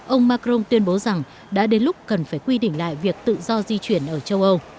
ông macron tuyên bố rằng đã đến lúc cần phải quy định lại việc tự do di chuyển ở châu âu